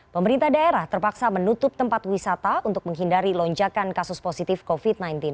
pemerintah daerah terpaksa menutup tempat wisata untuk menghindari lonjakan kasus positif covid sembilan belas